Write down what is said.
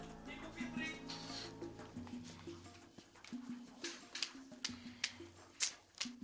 ini bu fitri